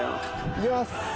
行きます！